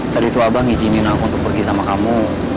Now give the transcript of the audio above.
tadi itu abah ngizinin aku untuk pergi sama kamu